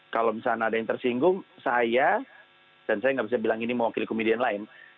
kalau misalnya ada yang tersinggung saya dan saya nggak bisa bilang ini mewakili komedian lain